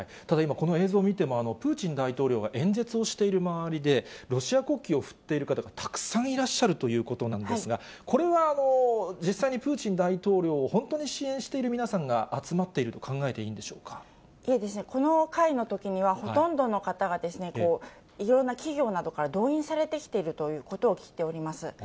ただ今、この映像見ても、プーチン大統領が演説をしている周りで、ロシア国旗を振っている方がたくさんいらっしゃるということなんですが、これは実際にプーチン大統領を本当に支援している皆さんが集まっていると考えていえ、この会のときにはほとんどの方が、いろいろな企業などから動員されてきているということを聞いております。